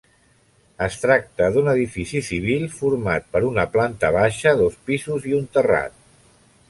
Es tracta d'un edifici civil format per una planta baixa, dos pisos i un terrat.